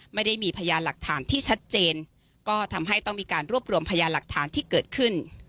ไม่ได้มีพยานหลักฐานที่ชัดเจนก็ทำให้ต้องมีการรวบรวมพยานหลักฐานที่เกิดขึ้น